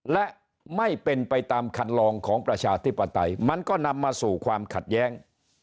และไม่เป็นไปตามคันลองของประชาธิปไตยมันก็นำมาสู่ความขัดแย้ง